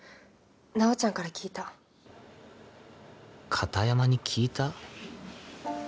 片山に聞いた？